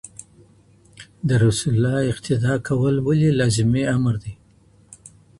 د رسول الله اقتداء کول ولي لازمی امر دی؟